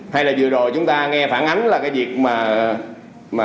hay là vừa rồi chúng ta nghe phản ánh là cái việc mà